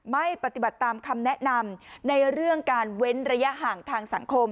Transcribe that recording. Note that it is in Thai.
ไม่ปฏิบัติตามคำแนะนำในเรื่องการเว้นระยะห่างทางสังคม